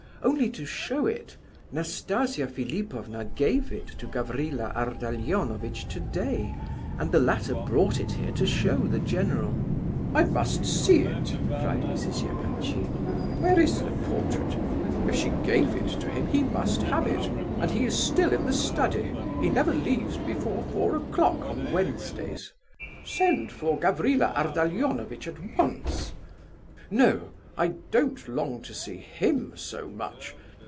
"Only to show it. Nastasia Philipovna gave it to Gavrila Ardalionovitch today, and the latter brought it here to show to the general." "I must see it!" cried Mrs. Epanchin. "Where is the portrait? If she gave it to him, he must have it; and he is still in the study. He never leaves before four o'clock on Wednesdays. Send for Gavrila Ardalionovitch at once. No, I don't long to see him so much.